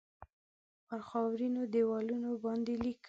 پر خاورینو دیوالونو باندې لیکم